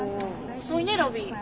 遅いねロビー。